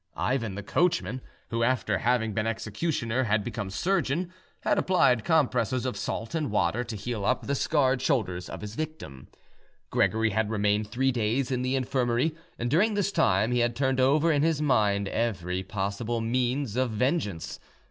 Ivan, the coachman, who after having been executioner had become surgeon, had applied compresses of salt and water to heal up the scarred shoulders of his victim. Gregory had remained three days in the infirmary, and during this time he had turned over in his mind every possible means of vengeance.